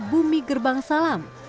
bumi gerbang salam